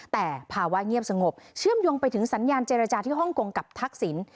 แต่ภาวะเงียบสงบเชื่อมโยงไปถึงสัญญาณเจรจาที่ฮ่องกงกับทักษิณ